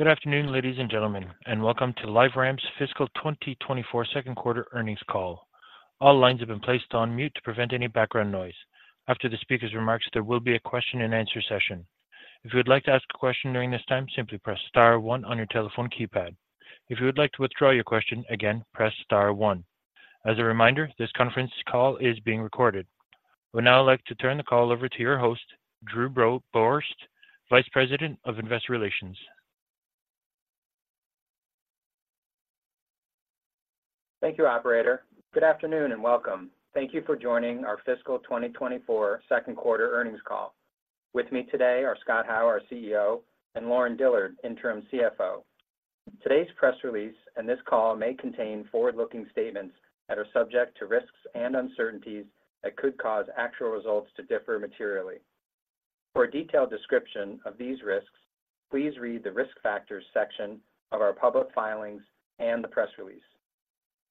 Good afternoon, ladies and gentlemen, and welcome to LiveRamp's Fiscal 2024 Second Quarter Earnings Call. All lines have been placed on mute to prevent any background noise. After the speaker's remarks, there will be a question and answer session. If you would like to ask a question during this time, simply press star one on your telephone keypad. If you would like to withdraw your question again, press star one. As a reminder, this conference call is being recorded. I would now like to turn the call over to your host, Drew Borst, Vice President of Investor Relations. Thank you, operator. Good afternoon, and welcome. Thank you for joining our fiscal 2024 second quarter earnings call. With me today are Scott Howe, our CEO, and Lauren Dillard, Interim CFO. Today's press release and this call may contain forward-looking statements that are subject to risks and uncertainties that could cause actual results to differ materially. For a detailed description of these risks, please read the Risk Factors section of our public filings and the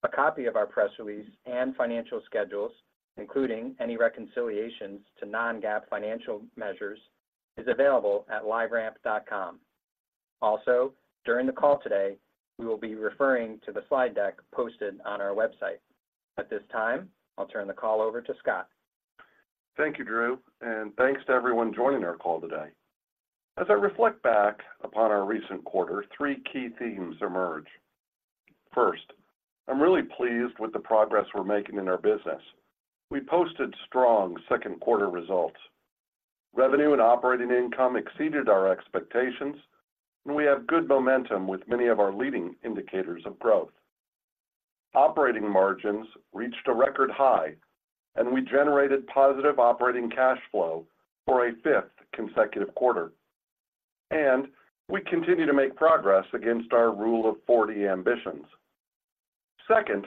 press release. A copy of our press release and financial schedules, including any reconciliations to non-GAAP financial measures, is available at liveramp.com. Also, during the call today, we will be referring to the slide deck posted on our website. At this time, I'll turn the call over to Scott. Thank you, Drew, and thanks to everyone joining our call today. As I reflect back upon our recent quarter, three key themes emerge. First, I'm really pleased with the progress we're making in our business. We posted strong second quarter results. Revenue and operating income exceeded our expectations, and we have good momentum with many of our leading indicators of growth. Operating margins reached a record high, and we generated positive operating cash flow for a fifth consecutive quarter, and we continue to make progress against our Rule of 40 ambitions. Second,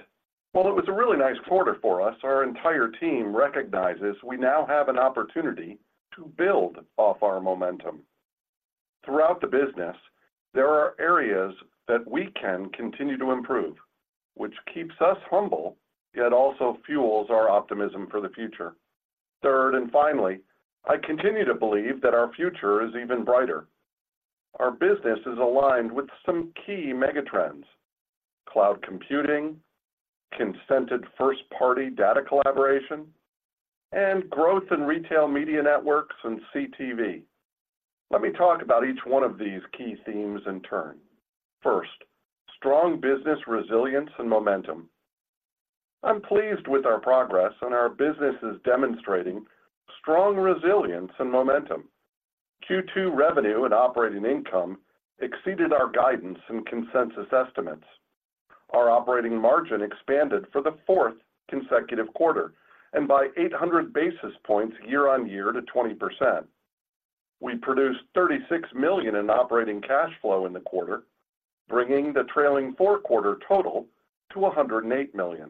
while it was a really nice quarter for us, our entire team recognizes we now have an opportunity to build off our momentum. Throughout the business, there are areas that we can continue to improve, which keeps us humble, yet also fuels our optimism for the future. Third, and finally, I continue to believe that our future is even brighter. Our business is aligned with some key megatrends: cloud computing, consented first-party data collaboration, and growth in retail media networks and CTV. Let me talk about each one of these key themes in turn. First, strong business resilience and momentum. I'm pleased with our progress, and our business is demonstrating strong resilience and momentum. Q2 revenue and operating income exceeded our guidance and consensus estimates. Our operating margin expanded for the fourth consecutive quarter and by 800 basis points year-on-year to 20%. We produced $36 million in operating cash flow in the quarter, bringing the trailing four-quarter total to $108 million.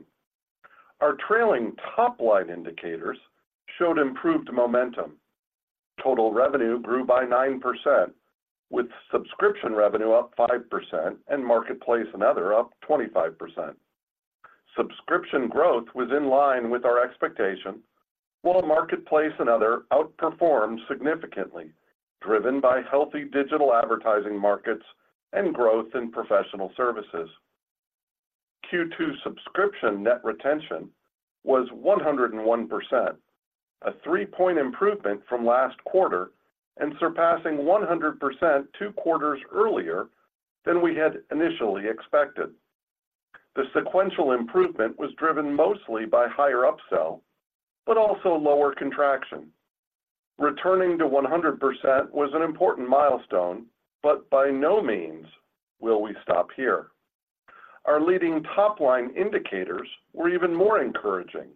Our trailing top-line indicators showed improved momentum. Total revenue grew by 9%, with Subscription revenue up 5% and Marketplace and other up 25%. Subscription growth was in line with our expectations, while Marketplace and other outperformed significantly, driven by healthy digital advertising markets and growth in professional services. Q2 Subscription net retention was 101%, a three-point improvement from last quarter and surpassing 100% two quarters earlier than we had initially expected. The sequential improvement was driven mostly by higher upsell, but also lower contraction. Returning to 100% was an important milestone, but by no means will we stop here. Our leading top-line indicators were even more encouraging.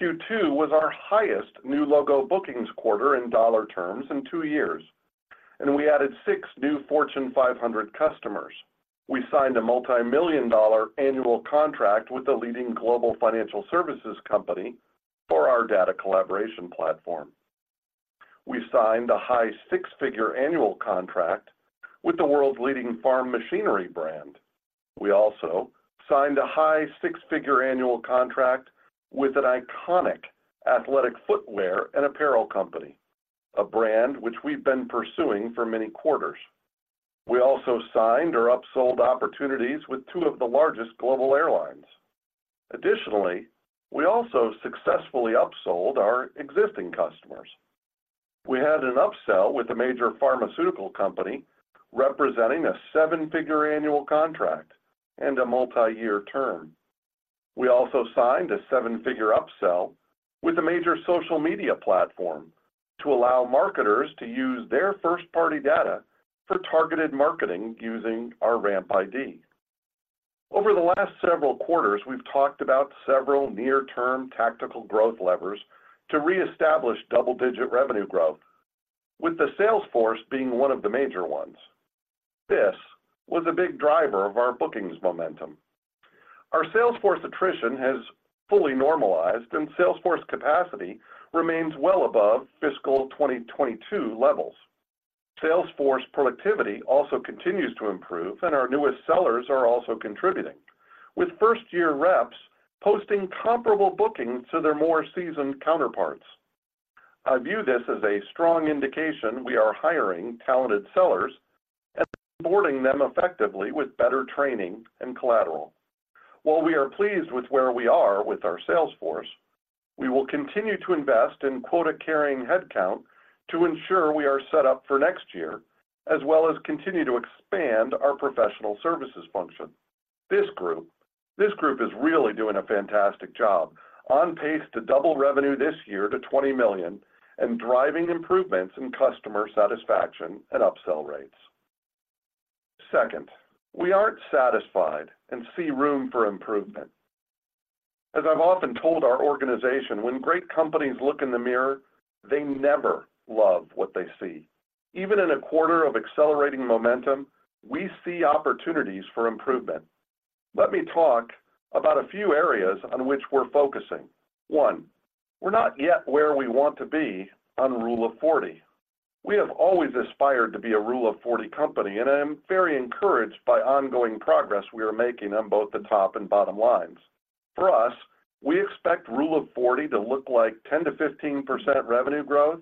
Q2 was our highest new logo bookings quarter in dollar terms in two years, and we added six new Fortune 500 customers. We signed a multimillion-dollar annual contract with the leading global financial services company for our data collaboration platform. We signed a high six-figure annual contract with the world's leading farm machinery brand. We also signed a high six-figure annual contract with an iconic athletic footwear and apparel company, a brand which we've been pursuing for many quarters. We also signed or upsold opportunities with two of the largest global airlines. Additionally, we also successfully upsold our existing customers. We had an upsell with a major pharmaceutical company, representing a seven-figure annual contract and a multi-year term. We also signed a seven-figure upsell with a major social media platform to allow marketers to use their first-party data for targeted marketing using our RampID. Over the last several quarters, we've talked about several near-term tactical growth levers to reestablish double-digit revenue growth, with the sales force being one of the major ones. This was a big driver of our bookings momentum. Our sales force attrition has fully normalized, and sales force capacity remains well above fiscal 2022 levels. Sales force productivity also continues to improve, and our newest sellers are also contributing, with first-year reps posting comparable bookings to their more seasoned counterparts. I view this as a strong indication we are hiring talented sellers and boarding them effectively with better training and collateral. While we are pleased with where we are with our sales force, we will continue to invest in quota-carrying headcount to ensure we are set up for next year, as well as continue to expand our professional services function. This group, this group is really doing a fantastic job, on pace to double revenue this year to $20 million and driving improvements in customer satisfaction and upsell rates. Second, we aren't satisfied and see room for improvement. As I've often told our organization, when great companies look in the mirror, they never love what they see. Even in a quarter of accelerating momentum, we see opportunities for improvement. Let me talk about a few areas on which we're focusing. One, we're not yet where we want to be on Rule of 40. We have always aspired to be a Rule of 40 company, and I'm very encouraged by ongoing progress we are making on both the top and bottom lines. For us, we expect Rule of 40 to look like 10%-15% revenue growth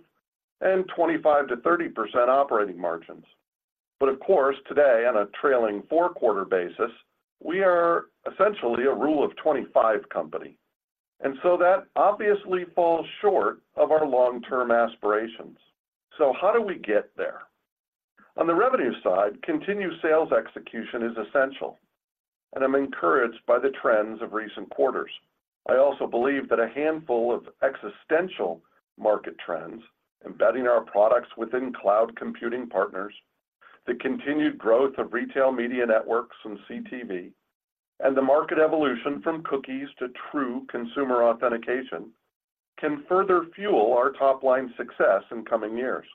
and 25%-30% operating margins. But of course, today, on a trailing four-quarter basis, we are essentially a Rule of 25 company, and so that obviously falls short of our long-term aspirations. So how do we get there? On the revenue side, continued sales execution is essential, and I'm encouraged by the trends of recent quarters. I also believe that a handful of existential market trends, embedding our products within cloud computing partners, the continued growth of retail media networks and CTV, and the market evolution from cookies to true consumer authentication, can further fuel our top-line success in coming years.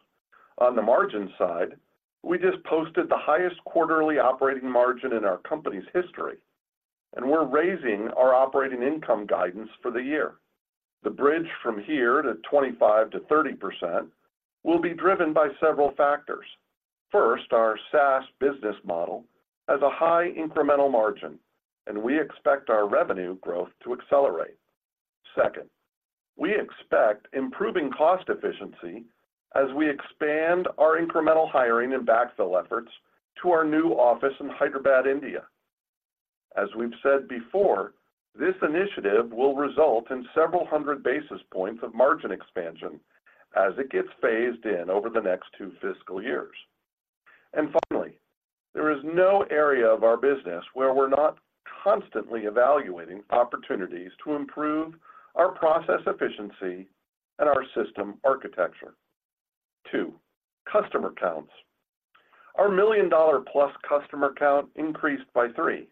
On the margin side, we just posted the highest quarterly operating margin in our company's history, and we're raising our operating income guidance for the year. The bridge from here to 25%-30% will be driven by several factors. First, our SaaS business model has a high incremental margin, and we expect our revenue growth to accelerate. Second, we expect improving cost efficiency as we expand our incremental hiring and backfill efforts to our new office in Hyderabad, India. As we've said before, this initiative will result in several hundred basis points of margin expansion as it gets phased in over the next two fiscal years. Finally, there is no area of our business where we're not constantly evaluating opportunities to improve our process efficiency and our system architecture. Two, customer counts. Our $1 million+ customer count increased by three,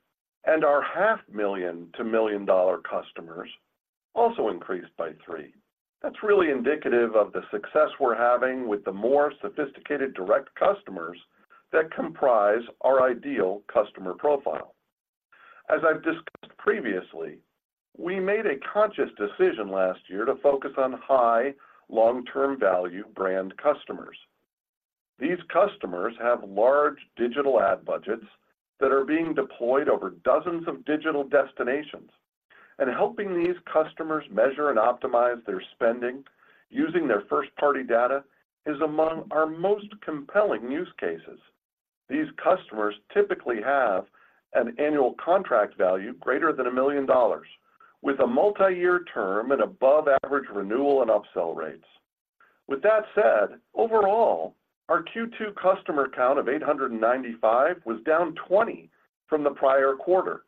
and our $500,000 to $1 million customers also increased by three. That's really indicative of the success we're having with the more sophisticated direct customers that comprise our ideal customer profile. As I've discussed previously, we made a conscious decision last year to focus on high long-term value brand customers. These customers have large digital ad budgets that are being deployed over dozens of digital destinations, and helping these customers measure and optimize their spending using their first-party data is among our most compelling use cases. These customers typically have an annual contract value greater than $1 million, with a multi-year term and above-average renewal and upsell rates. With that said, overall, our Q2 customer count of 895 was down 20 from the prior quarter,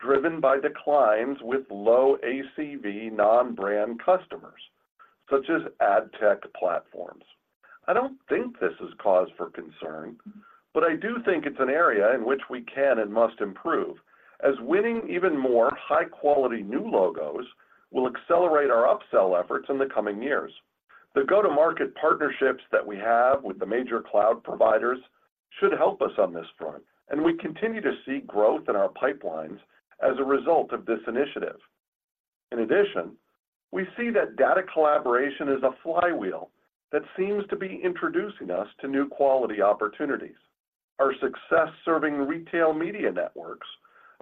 driven by declines with low ACV non-brand customers, such as ad tech platforms. I don't think this is cause for concern, but I do think it's an area in which we can and must improve, as winning even more high-quality new logos will accelerate our upsell efforts in the coming years. The go-to-market partnerships that we have with the major cloud providers should help us on this front, and we continue to see growth in our pipelines as a result of this initiative. In addition, we see that data collaboration is a flywheel that seems to be introducing us to new quality opportunities. Our success serving retail media networks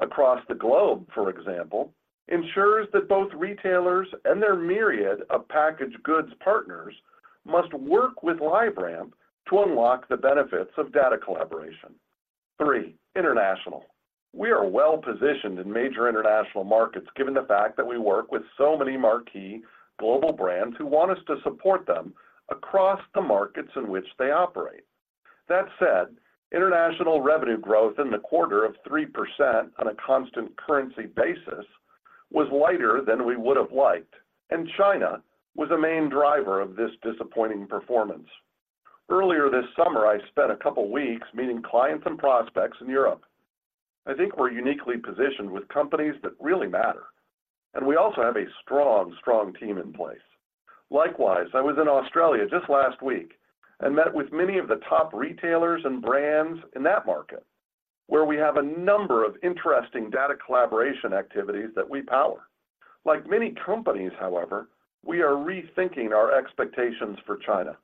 across the globe, for example, ensures that both retailers and their myriad of packaged goods partners must work with LiveRamp to unlock the benefits of data collaboration. Three, international. We are well-positioned in major international markets, given the fact that we work with so many marquee global brands who want us to support them across the markets in which they operate. That said, international revenue growth in the quarter of 3% on a constant currency basis was lighter than we would have liked, and China was a main driver of this disappointing performance. Earlier this summer, I spent a couple of weeks meeting clients and prospects in Europe. I think we're uniquely positioned with companies that really matter, and we also have a strong, strong team in place. Likewise, I was in Australia just last week and met with many of the top retailers and brands in that market, where we have a number of interesting data collaboration activities that we power. Like many companies, however, we are rethinking our expectations for China.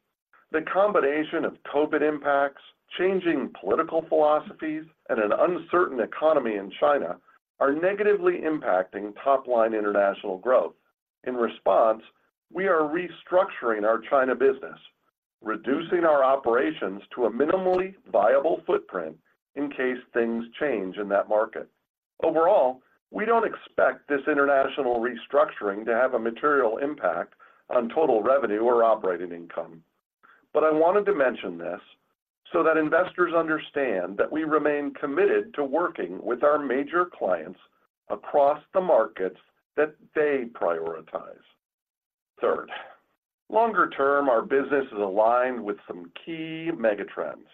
The combination of COVID impacts, changing political philosophies, and an uncertain economy in China are negatively impacting top-line international growth. In response, we are restructuring our China business, reducing our operations to a minimally viable footprint in case things change in that market. Overall, we don't expect this international restructuring to have a material impact on total revenue or operating income. But I wanted to mention this so that investors understand that we remain committed to working with our major clients across the markets that they prioritize. Third, longer term, our business is aligned with some key mega trends.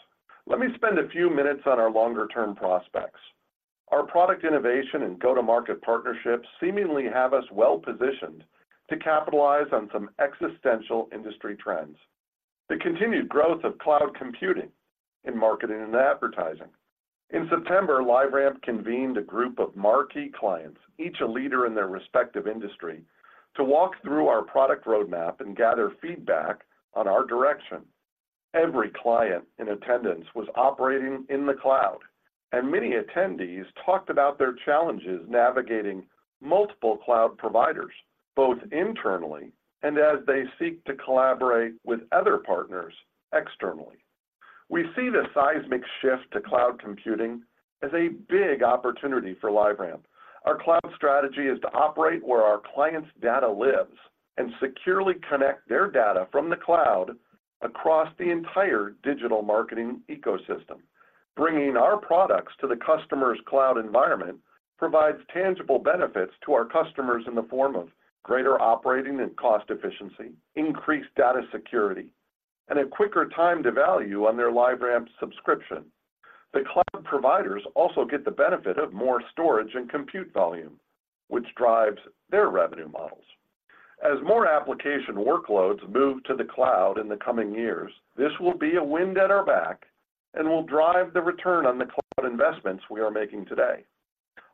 Let me spend a few minutes on our longer-term prospects. Our product innovation and go-to-market partnerships seemingly have us well-positioned to capitalize on some existential industry trends. The continued growth of cloud computing in marketing and advertising. In September, LiveRamp convened a group of marquee clients, each a leader in their respective industry, to walk through our product roadmap and gather feedback on our direction. Every client in attendance was operating in the cloud, and many attendees talked about their challenges navigating multiple cloud providers, both internally and as they seek to collaborate with other partners externally. We see the seismic shift to cloud computing as a big opportunity for LiveRamp. Our cloud strategy is to operate where our clients' data lives and securely connect their data from the cloud across the entire digital marketing ecosystem. Bringing our products to the customer's cloud environment provides tangible benefits to our customers in the form of greater operating and cost efficiency, increased data security, and a quicker time to value on their LiveRamp subscription. The cloud providers also get the benefit of more storage and compute volume, which drives their revenue models. As more application workloads move to the cloud in the coming years, this will be a wind at our back and will drive the return on the cloud investments we are making today.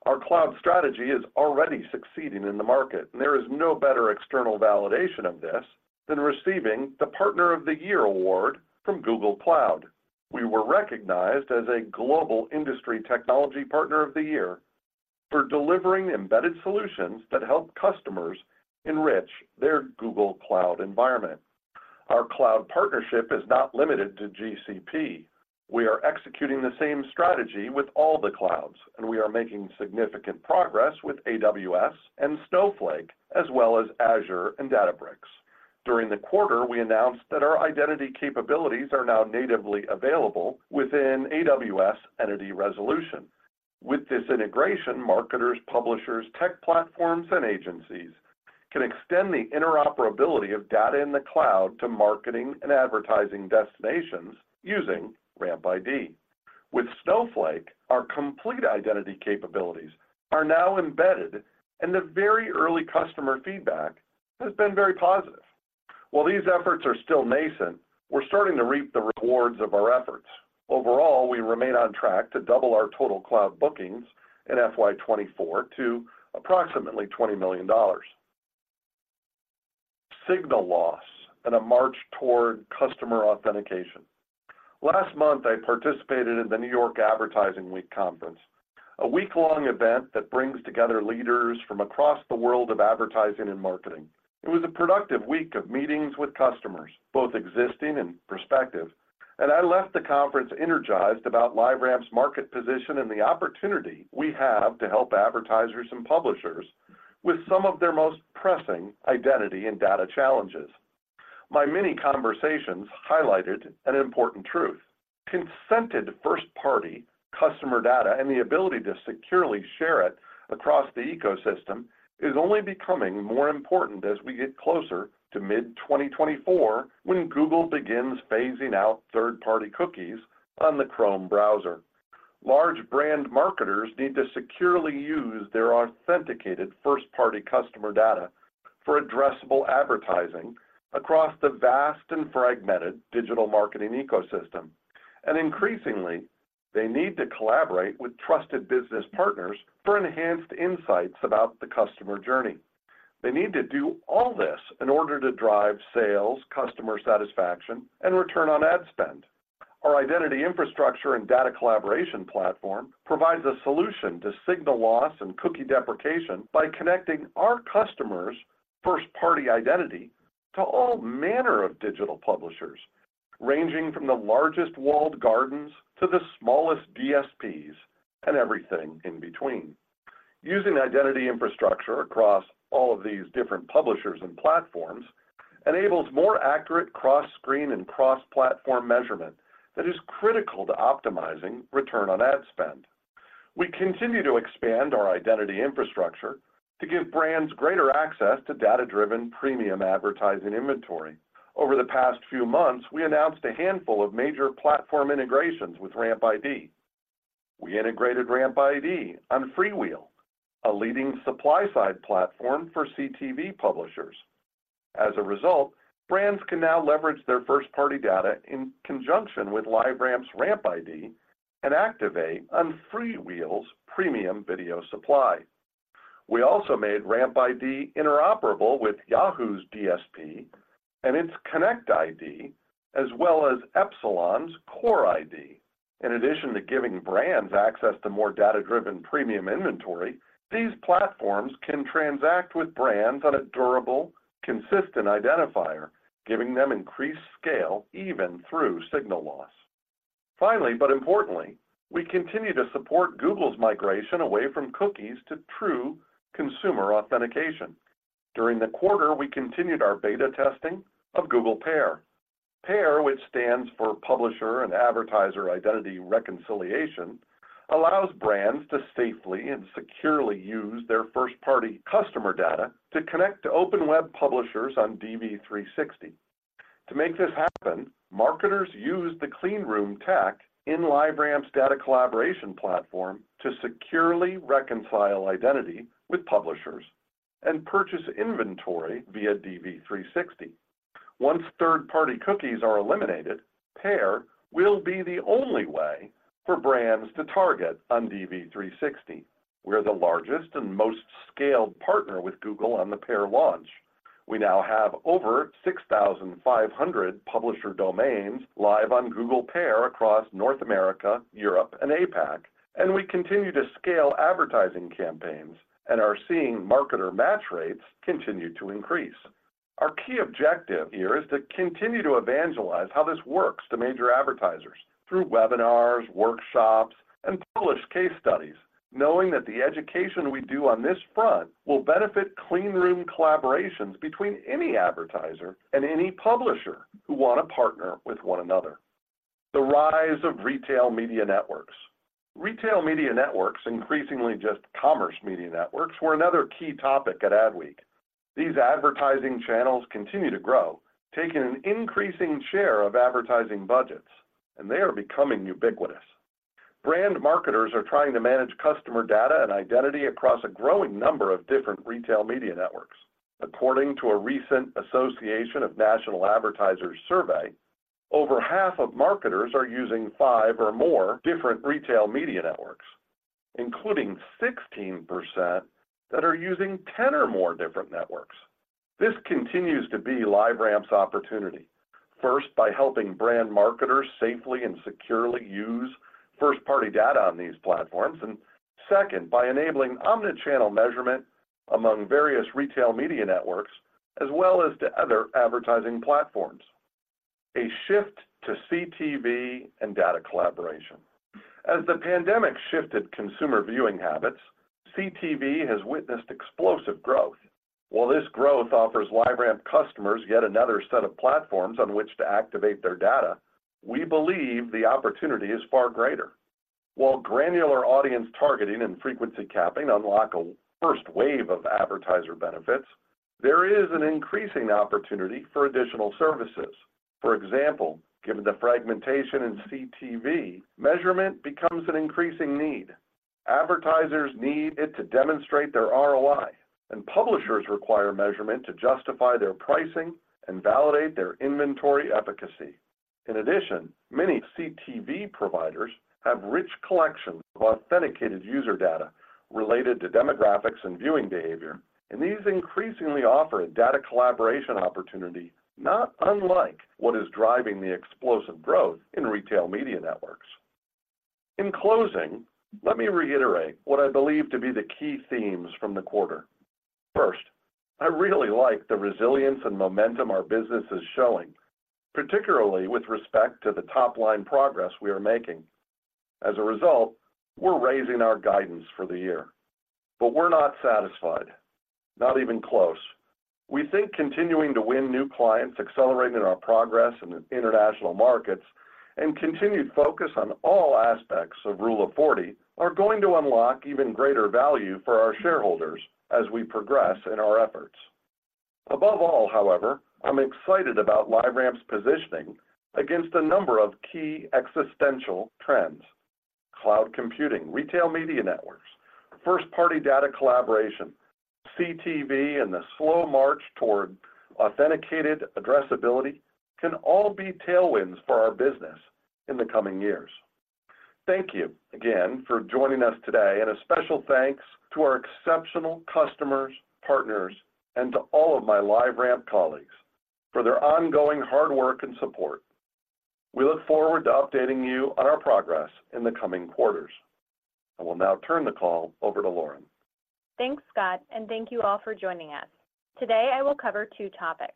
Our cloud strategy is already succeeding in the market, and there is no better external validation of this than receiving the Partner of the Year award from Google Cloud. We were recognized as a Global Industry Technology Partner of the Year for delivering embedded solutions that help customers enrich their Google Cloud environment. Our cloud partnership is not limited to GCP. We are executing the same strategy with all the clouds, and we are making significant progress with AWS and Snowflake, as well as Azure and Databricks. During the quarter, we announced that our identity capabilities are now natively available within AWS Entity Resolution. With this integration, marketers, publishers, tech platforms, and agencies can extend the interoperability of data in the cloud to marketing and advertising destinations using RampID. With Snowflake, our complete identity capabilities are now embedded, and the very early customer feedback has been very positive. While these efforts are still nascent, we're starting to reap the rewards of our efforts. Overall, we remain on track to double our total cloud bookings in FY 2024 to approximately $20 million. Signal loss and a march toward customer authentication. Last month, I participated in the New York Advertising Week conference, a week-long event that brings together leaders from across the world of advertising and marketing. It was a productive week of meetings with customers, both existing and prospective, and I left the conference energized about LiveRamp's market position and the opportunity we have to help advertisers and publishers with some of their most pressing identity and data challenges. My many conversations highlighted an important truth. Consented first-party customer data and the ability to securely share it across the ecosystem is only becoming more important as we get closer to mid-2024, when Google begins phasing out third-party cookies on the Chrome browser. Large brand marketers need to securely use their authenticated first-party customer data for addressable advertising across the vast and fragmented digital marketing ecosystem. Increasingly, they need to collaborate with trusted business partners for enhanced insights about the customer journey. They need to do all this in order to drive sales, customer satisfaction, and return on ad spend. Our identity infrastructure and data collaboration platform provides a solution to signal loss and cookie deprecation by connecting our customers' first-party identity to all manner of digital publishers, ranging from the largest walled gardens to the smallest DSPs, and everything in between. Using identity infrastructure across all of these different publishers and platforms enables more accurate cross-screen and cross-platform measurement that is critical to optimizing return on ad spend. We continue to expand our identity infrastructure to give brands greater access to data-driven premium advertising inventory. Over the past few months, we announced a handful of major platform integrations with RampID. We integrated RampID on FreeWheel, a leading supply-side platform for CTV publishers. As a result, brands can now leverage their first-party data in conjunction with LiveRamp's RampID and activate on FreeWheel's premium video supply. We also made RampID interoperable with Yahoo's DSP and its ConnectID, as well as Epsilon's COREid. In addition to giving brands access to more data-driven premium inventory, these platforms can transact with brands on a durable, consistent identifier, giving them increased scale even through signal loss. Finally, but importantly, we continue to support Google's migration away from cookies to true consumer authentication. During the quarter, we continued our beta testing of Google PAIR. PAIR, which stands for Publisher and Advertiser Identity Reconciliation, allows brands to safely and securely use their first-party customer data to connect to open web publishers on DV360. To make this happen, marketers use the clean room tech in LiveRamp's data collaboration platform to securely reconcile identity with publishers and purchase inventory via DV360. Once third-party cookies are eliminated, PAIR will be the only way for brands to target on DV360. We're the largest and most scaled partner with Google on the PAIR launch. We now have over 6,500 publisher domains live on Google PAIR across North America, Europe, and APAC, and we continue to scale advertising campaigns and are seeing marketer match rates continue to increase. Our key objective here is to continue to evangelize how this works to major advertisers through webinars, workshops, and publish case studies, knowing that the education we do on this front will benefit clean room collaborations between any advertiser and any publisher who want to partner with one another. The rise of retail media networks. Retail media networks, increasingly just commerce media networks, were another key topic at Adweek. These advertising channels continue to grow, taking an increasing share of advertising budgets, and they are becoming ubiquitous. Brand marketers are trying to manage customer data and identity across a growing number of different retail media networks. According to a recent Association of National Advertisers survey, over half of marketers are using five or more different retail media networks, including 16% that are using 10 or more different networks. This continues to be LiveRamp's opportunity, first, by helping brand marketers safely and securely use first-party data on these platforms, and second, by enabling omni-channel measurement among various retail media networks, as well as to other advertising platforms. A shift to CTV and data collaboration. As the pandemic shifted consumer viewing habits, CTV has witnessed explosive growth. While this growth offers LiveRamp customers yet another set of platforms on which to activate their data, we believe the opportunity is far greater. While granular audience targeting and frequency capping unlock a first wave of advertiser benefits, there is an increasing opportunity for additional services. For example, given the fragmentation in CTV, measurement becomes an increasing need. Advertisers need it to demonstrate their ROI, and publishers require measurement to justify their pricing and validate their inventory efficacy. In addition, many CTV providers have rich collections of authenticated user data related to demographics and viewing behavior, and these increasingly offer a data collaboration opportunity, not unlike what is driving the explosive growth in retail media networks. In closing, let me reiterate what I believe to be the key themes from the quarter. First, I really like the resilience and momentum our business is showing, particularly with respect to the top-line progress we are making. As a result, we're raising our guidance for the year, but we're not satisfied. Not even close. We think continuing to win new clients, accelerating our progress in international markets, and continued focus on all aspects of Rule of 40 are going to unlock even greater value for our shareholders as we progress in our efforts. Above all, however, I'm excited about LiveRamp's positioning against a number of key existential trends. Cloud computing, retail media networks, first-party data collaboration, CTV, and the slow march toward authenticated addressability can all be tailwinds for our business in the coming years. Thank you again for joining us today, and a special thanks to our exceptional customers, partners, and to all of my LiveRamp colleagues for their ongoing hard work and support. We look forward to updating you on our progress in the coming quarters. I will now turn the call over to Lauren. Thanks, Scott, and thank you all for joining us. Today, I will cover two topics.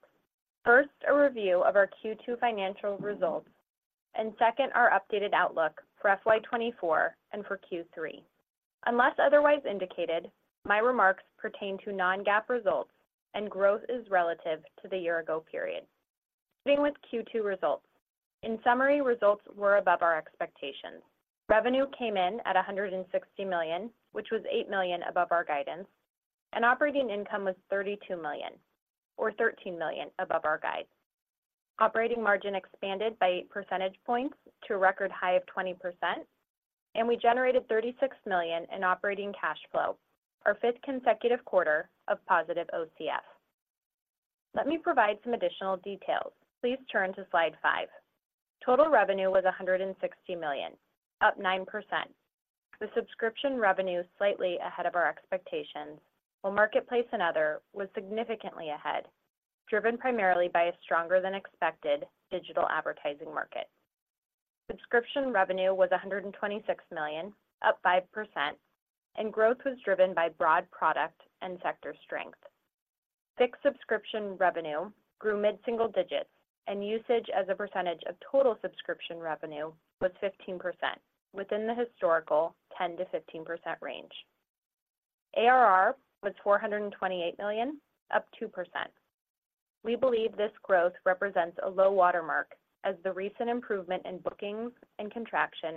First, a review of our Q2 financial results, and second, our updated outlook for FY 2024 and for Q3. Unless otherwise indicated, my remarks pertain to Non-GAAP results, and growth is relative to the year-ago period. Starting with Q2 results. In summary, results were above our expectations. Revenue came in at $160 million, which was $8 million above our guidance, and operating income was $32 million, or $13 million above our guide. Operating margin expanded by 8 percentage points to a record high of 20%, and we generated $36 million in operating cash flow, our fifth consecutive quarter of positive OCF. Let me provide some additional details. Please turn to slide five. Total revenue was $160 million, up 9%. The Subscription revenue is slightly ahead of our expectations, while Marketplace and other was significantly ahead, driven primarily by a stronger than expected digital advertising market. Subscription revenue was $126 million, up 5%, and growth was driven by broad product and sector strength. Fixed subscription revenue grew mid-single digits, and usage as a percentage of total Subscription revenue was 15%, within the historical 10%-15% range. ARR was $428 million, up 2%. We believe this growth represents a low watermark as the recent improvement in bookings and contraction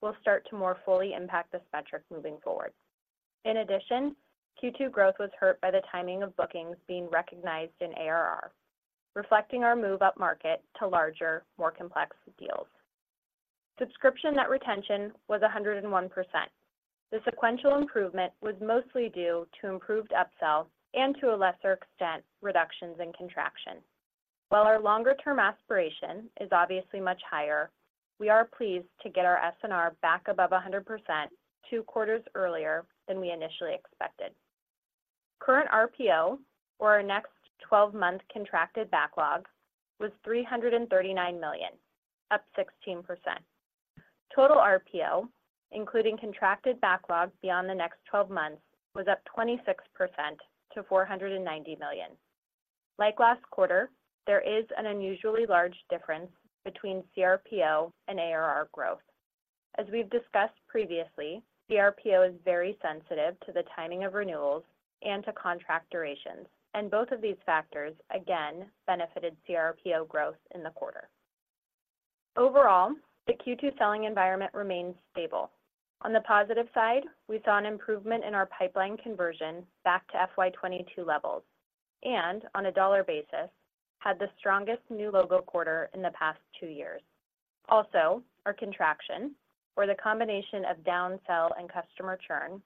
will start to more fully impact this metric moving forward. In addition, Q2 growth was hurt by the timing of bookings being recognized in ARR, reflecting our move up market to larger, more complex deals. Subscription net retention was 101%. The sequential improvement was mostly due to improved upsells and to a lesser extent, reductions in contraction. While our longer-term aspiration is obviously much higher, we are pleased to get our SNR back above 100% two quarters earlier than we initially expected. Current RPO, or our next twelve-month contracted backlog, was $339 million, up 16%. Total RPO, including contracted backlog beyond the next twelve months, was up 26% to $490 million. Like last quarter, there is an unusually large difference between CRPO and ARR growth. As we've discussed previously, CRPO is very sensitive to the timing of renewals and to contract durations, and both of these factors, again, benefited CRPO growth in the quarter. Overall, the Q2 selling environment remains stable. On the positive side, we saw an improvement in our pipeline conversion back to FY 2022 levels, and on a dollar basis, had the strongest new logo quarter in the past two years. Also, our contraction, or the combination of downsell and customer churn,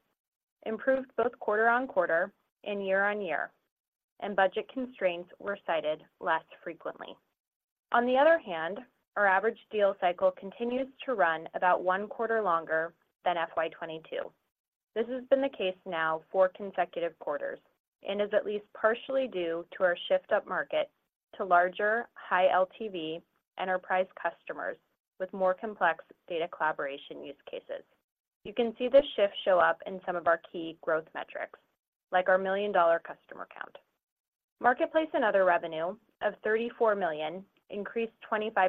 improved both quarter-over-quarter and year-over-year, and budget constraints were cited less frequently. On the other hand, our average deal cycle continues to run about one quarter longer than FY 2022. This has been the case now four consecutive quarters and is at least partially due to our shift upmarket to larger, high LTV enterprise customers with more complex data collaboration use cases. You can see this shift show up in some of our key growth metrics, like our million-dollar customer count. Marketplace and other revenue of $34 million increased 25%,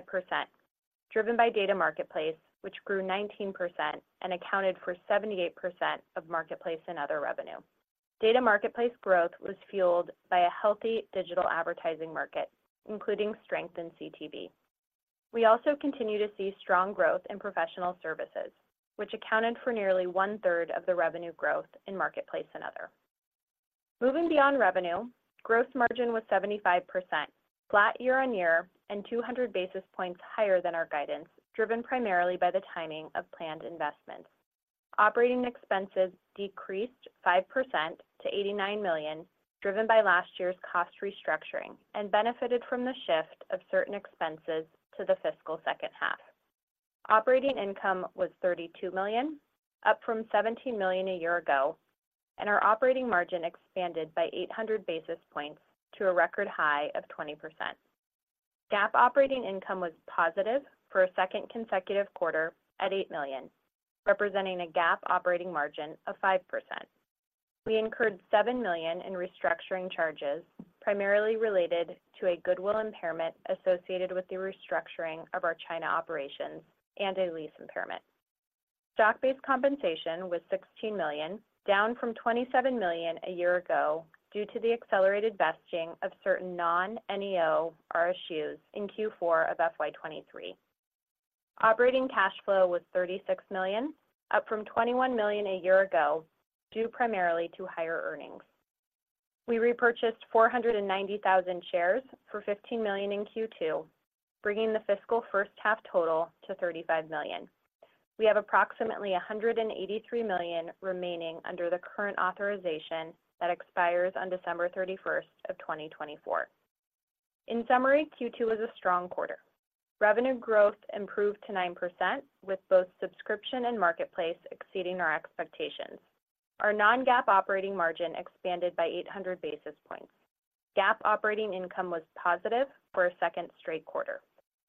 driven by Data Marketplace, which grew 19% and accounted for 78% of Marketplace and other revenue. Data Marketplace growth was fueled by a healthy digital advertising market, including strength in CTV. We also continue to see strong growth in professional services, which accounted for nearly one-third of the revenue growth in Marketplace and other. Moving beyond revenue, gross margin was 75%, flat year-on-year and 200 basis points higher than our guidance, driven primarily by the timing of planned investments. Operating expenses decreased 5% to $89 million, driven by last year's cost restructuring and benefited from the shift of certain expenses to the fiscal second half. Operating income was $32 million, up from $17 million a year ago, and our operating margin expanded by 800 basis points to a record high of 20%. GAAP operating income was positive for a second consecutive quarter at $8 million, representing a GAAP operating margin of 5%. We incurred $7 million in restructuring charges, primarily related to a goodwill impairment associated with the restructuring of our China operations and a lease impairment. Stock-based compensation was $16 million, down from $27 million a year ago due to the accelerated vesting of certain non-NEO RSUs in Q4 of FY 2023. Operating cash flow was $36 million, up from $21 million a year ago, due primarily to higher earnings. We repurchased 490,000 shares for $15 million in Q2, bringing the fiscal first half total to $35 million. We have approximately $183 million remaining under the current authorization that expires on December 31, 2024. In summary, Q2 was a strong quarter. Revenue growth improved to 9%, with both Subscription and Marketplace exceeding our expectations. Our non-GAAP operating margin expanded by 800 basis points. GAAP operating income was positive for a second straight quarter.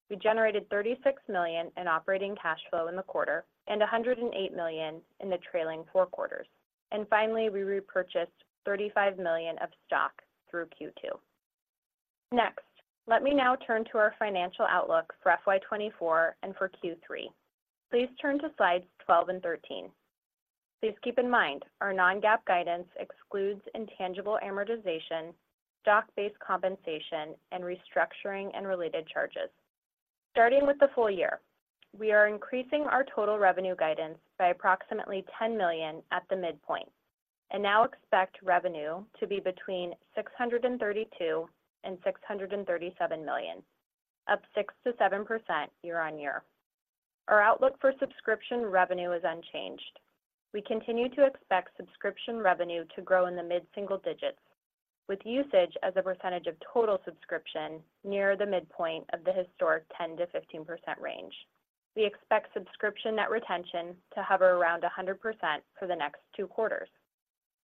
We generated $36 million in operating cash flow in the quarter and $108 million in the trailing four quarters. And finally, we repurchased $35 million of stock through Q2. Next, let me now turn to our financial outlook for FY 2024 and for Q3. Please turn to slides 12 and 13. Please keep in mind, our non-GAAP guidance excludes intangible amortization, stock-based compensation, and restructuring and related charges. Starting with the full year, we are increasing our total revenue guidance by approximately $10 million at the midpoint and now expect revenue to be between $632 million and $637 million, up 6%-7% year-on-year. Our outlook for Subscription revenue is unchanged. We continue to expect Subscription revenue to grow in the mid-single digits, with usage as a percentage of total subscription near the midpoint of the historic 10%-15% range. We expect Subscription net retention to hover around 100% for the next two quarters.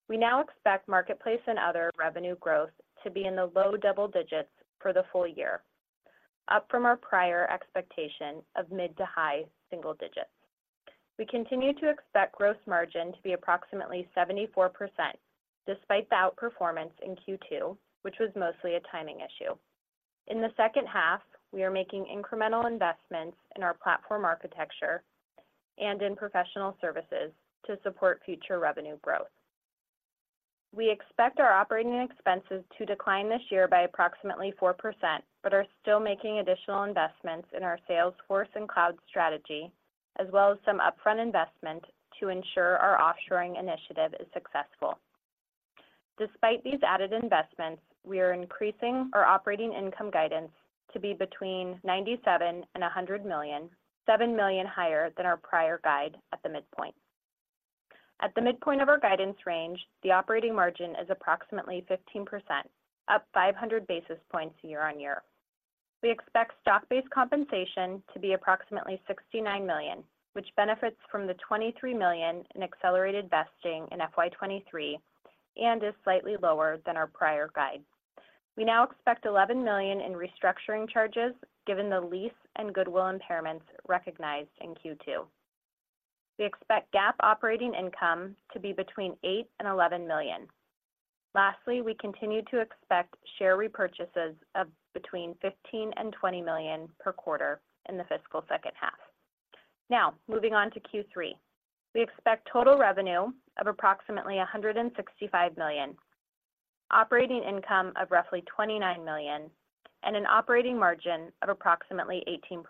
We now expect Marketplace and other revenue growth to be in the low double digits for the full year, up from our prior expectation of mid to high single digits. We continue to expect gross margin to be approximately 74%, despite the outperformance in Q2, which was mostly a timing issue. In the second half, we are making incremental investments in our platform architecture and in professional services to support future revenue growth. We expect our operating expenses to decline this year by approximately 4%, but are still making additional investments in our sales force and cloud strategy, as well as some upfront investment to ensure our offshoring initiative is successful. Despite these added investments, we are increasing our operating income guidance to be between $97 million and $100 million, $7 million higher than our prior guide at the midpoint. At the midpoint of our guidance range, the operating margin is approximately 15%, up 500 basis points year-on-year. We expect stock-based compensation to be approximately $69 million, which benefits from the $23 million in accelerated vesting in FY 2023 and is slightly lower than our prior guide. We now expect $11 million in restructuring charges, given the lease and goodwill impairments recognized in Q2. We expect GAAP operating income to be between $8 million and $11 million. Lastly, we continue to expect share repurchases of between $15 million and $20 million per quarter in the fiscal second half. Now, moving on to Q3. We expect total revenue of approximately $165 million, operating income of roughly $29 million, and an operating margin of approximately 18%.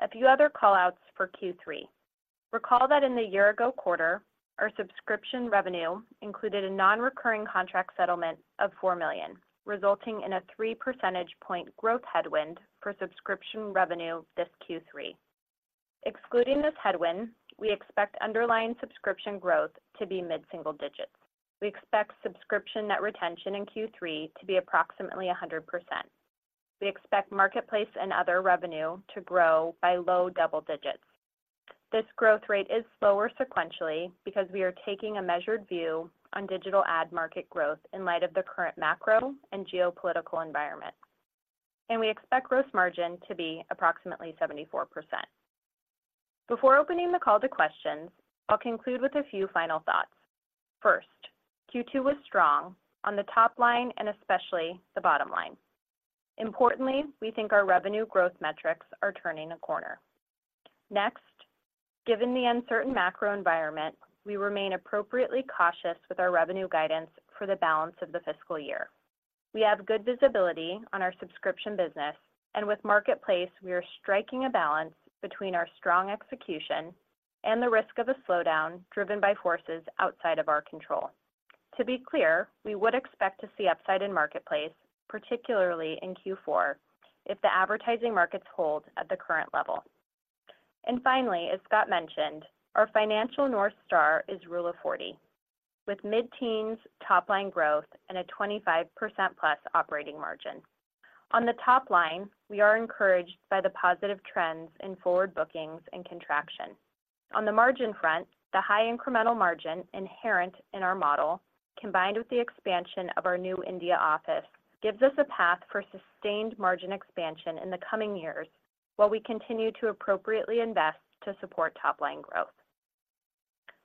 A few other call-outs for Q3. Recall that in the year-ago quarter, our subscription revenue included a non-recurring contract settlement of $4 million, resulting in a three percentage point growth headwind for subscription revenue this Q3. Excluding this headwind, we expect underlying subscription growth to be mid-single digits. We expect subscription net retention in Q3 to be approximately 100%. We expect Marketplace and other revenue to grow by low double digits. This growth rate is slower sequentially because we are taking a measured view on digital ad market growth in light of the current macro and geopolitical environment, and we expect gross margin to be approximately 74%. Before opening the call to questions, I'll conclude with a few final thoughts. First, Q2 was strong on the top line and especially the bottom line. Importantly, we think our revenue growth metrics are turning a corner. Next, given the uncertain macro environment, we remain appropriately cautious with our revenue guidance for the balance of the fiscal year. We have good visibility on our Subscription business, and with Marketplace, we are striking a balance between our strong execution and the risk of a slowdown driven by forces outside of our control. To be clear, we would expect to see upside in Marketplace, particularly in Q4, if the advertising markets hold at the current level. And finally, as Scott mentioned, our financial North Star is Rule of 40, with mid-teens top-line growth and a 25%+ operating margin. On the top line, we are encouraged by the positive trends in forward bookings and contraction. On the margin front, the high incremental margin inherent in our model, combined with the expansion of our new India office, gives us a path for sustained margin expansion in the coming years while we continue to appropriately invest to support top-line growth.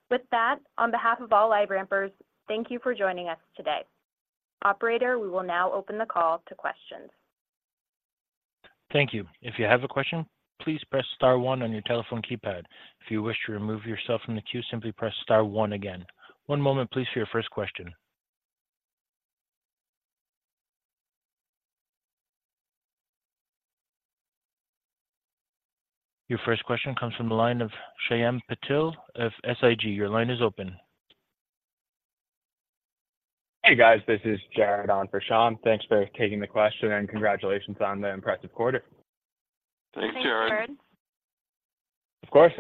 With that, on behalf of all LiveRampers, thank you for joining us today. Operator, we will now open the call to questions. Thank you. If you have a question, please press star one on your telephone keypad. If you wish to remove yourself from the queue, simply press star one again. One moment, please, for your first question. Your first question comes from the line of Shyam Patil of SIG. Your line is open. Hey, guys, this is Jared on for Shyam. Thanks for taking the question and congratulations on the impressive quarter. Thanks, Jared. Thanks, Jared. Of course.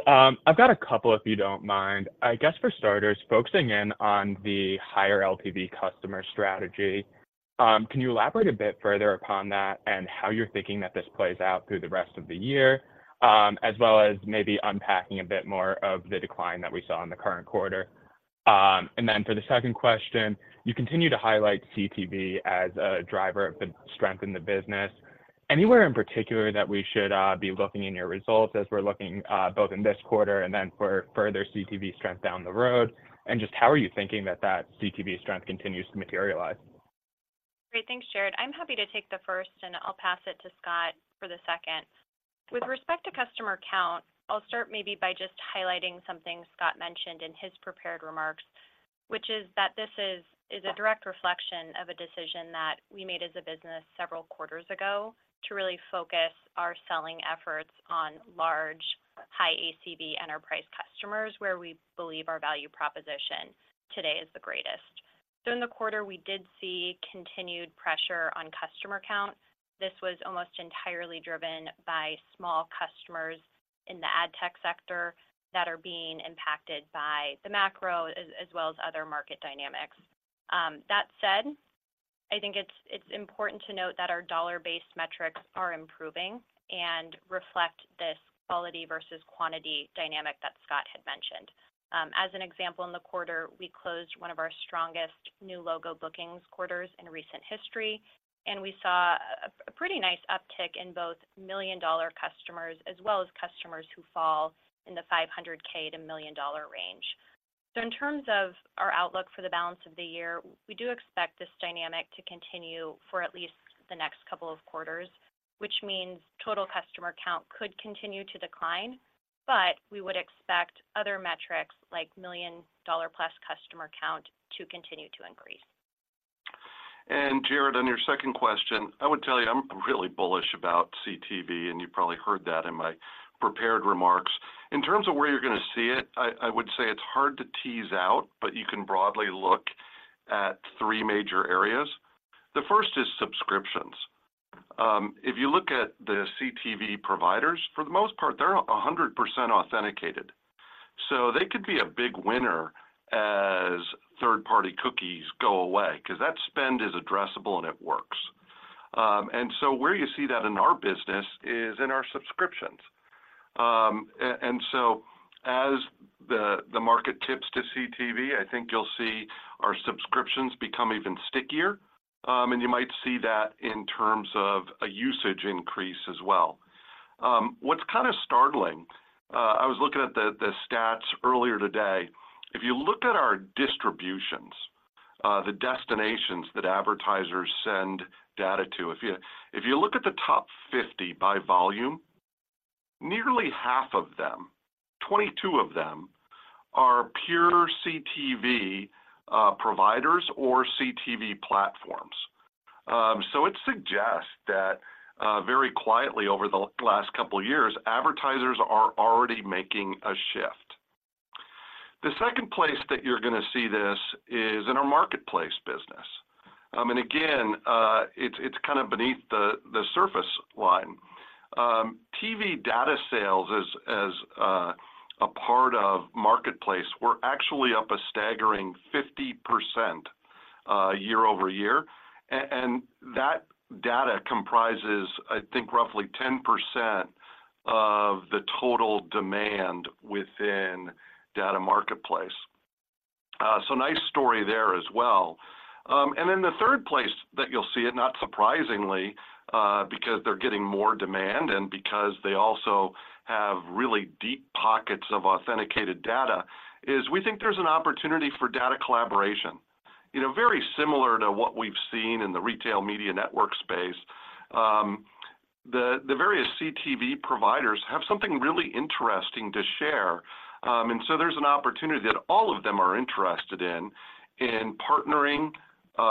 I've got a couple, if you don't mind. I guess for starters, focusing in on the higher LTV customer strategy, can you elaborate a bit further upon that and how you're thinking that this plays out through the rest of the year, as well as maybe unpacking a bit more of the decline that we saw in the current quarter? And then for the second question, you continue to highlight CTV as a driver of the strength in the business. Anywhere in particular that we should be looking in your results as we're looking, both in this quarter and then for further CTV strength down the road, and just how are you thinking that that CTV strength continues to materialize? Great. Thanks, Jared. I'm happy to take the first, and I'll pass it to Scott for the second. With respect to customer count, I'll start maybe by just highlighting something Scott mentioned in his prepared remarks, which is a direct reflection of a decision that we made as a business several quarters ago to really focus our selling efforts on large, high ACV enterprise customers, where we believe our value proposition today is the greatest. So in the quarter, we did see continued pressure on customer counts. This was almost entirely driven by small customers in the ad tech sector that are being impacted by the macro as well as other market dynamics. That said, I think it's important to note that our dollar-based metrics are improving and reflect this quality versus quantity dynamic that Scott had mentioned. As an example, in the quarter, we closed one of our strongest new logo bookings quarters in recent history, and we saw a pretty nice uptick in both million-dollar customers as well as customers who fall in the 500K-$1 million range. In terms of our outlook for the balance of the year, we do expect this dynamic to continue for at least the next couple of quarters, which means total customer count could continue to decline, but we would expect other metrics, like $1 million+ customer count, to continue to increase. Jared, on your second question, I would tell you I'm really bullish about CTV, and you probably heard that in my prepared remarks. In terms of where you're going to see it, I would say it's hard to tease out, but you can broadly look at three major areas. The first is subscriptions. If you look at the CTV providers, for the most part, they're 100% authenticated, so they could be a big winner as third-party cookies go away because that spend is addressable, and it works. And so where you see that in our business is in our subscriptions. And so as the market tips to CTV, I think you'll see our subscriptions become even stickier, and you might see that in terms of a usage increase as well. What's kind of startling, I was looking at the stats earlier today. If you look at our distributions, the destinations that advertisers send data to, if you look at the top 50 by volume, nearly half of them, 22 of them, are pure CTV providers or CTV platforms. So it suggests that very quietly over the last couple of years, advertisers are already making a shift. The second place that you're going to see this is in our Marketplace business. And again, it's kind of beneath the surface line. TV data sales as a part of Marketplace were actually up a staggering 50% year-over-year. And that data comprises, I think, roughly 10% of the total demand within Data Marketplace. So nice story there as well. And then the third place that you'll see it, not surprisingly, because they're getting more demand and because they also have really deep pockets of authenticated data, is we think there's an opportunity for data collaboration. You know, very similar to what we've seen in the retail media network space, the various CTV providers have something really interesting to share. And so there's an opportunity that all of them are interested in partnering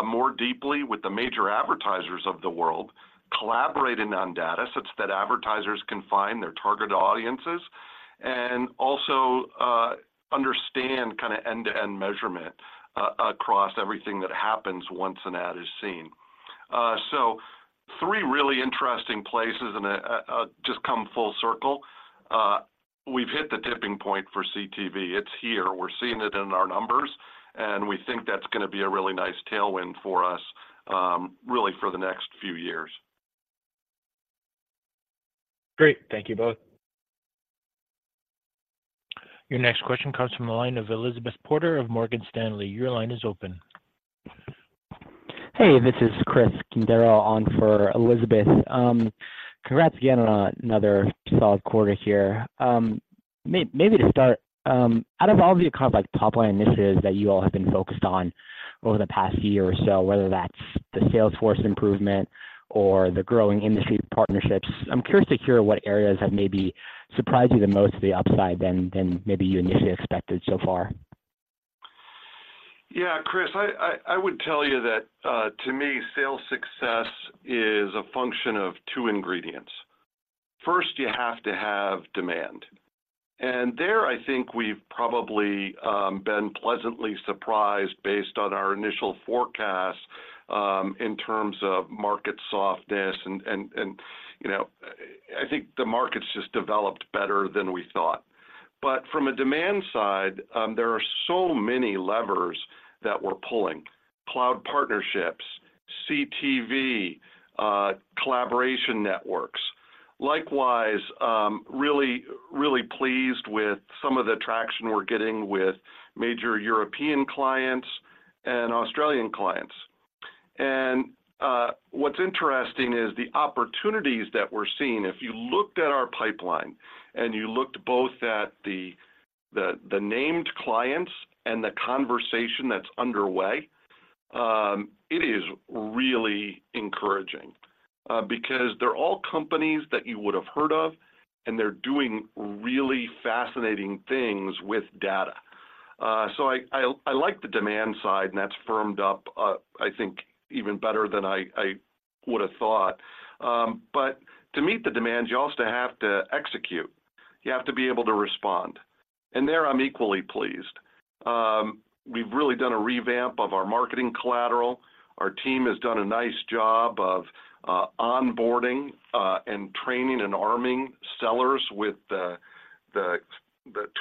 more deeply with the major advertisers of the world, collaborating on data such that advertisers can find their target audiences, and also understand kind of end-to-end measurement across everything that happens once an ad is seen. So three really interesting places, and just come full circle, we've hit the tipping point for CTV. It's here. We're seeing it in our numbers, and we think that's going to be a really nice tailwind for us, really for the next few years. Great. Thank you both. Your next question comes from the line of Elizabeth Porter of Morgan Stanley. Your line is open. Hey, this is Chris Quintero on for Elizabeth. Congrats again on another solid quarter here. Maybe to start, out of all the kind of like top-line initiatives that you all have been focused on over the past year or so, whether that's the sales force improvement or the growing industry partnerships, I'm curious to hear what areas have maybe surprised you the most to the upside than, than maybe you initially expected so far? Yeah, Chris, I would tell you that to me, sales success is a function of two ingredients. First, you have to have demand. And there, I think we've probably been pleasantly surprised based on our initial forecast in terms of market softness. And you know, I think the market's just developed better than we thought. But from a demand side, there are so many levers that we're pulling: cloud partnerships, CTV, collaboration networks. Likewise, really, really pleased with some of the traction we're getting with major European clients and Australian clients. And what's interesting is the opportunities that we're seeing. If you looked at our pipeline, and you looked both at the named clients and the conversation that's underway, it is really encouraging, because they're all companies that you would have heard of, and they're doing really fascinating things with data. So I like the demand side, and that's firmed up, I think even better than I would have thought. But to meet the demand, you also have to execute. You have to be able to respond, and there I'm equally pleased. We've really done a revamp of our marketing collateral. Our team has done a nice job of onboarding and training and arming sellers with the